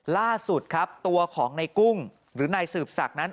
ล่าสุดครับตัวของนายกุ้งหรือว่านายสืบสักนั้น